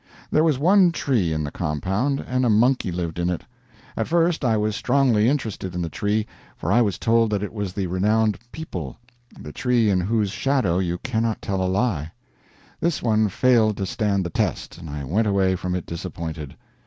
There was one tree in the compound, and a monkey lived in it. At first I was strongly interested in the tree, for I was told that it was the renowned peepul the tree in whose shadow you cannot tell a lie. This one failed to stand the test, and I went away from it disappointed.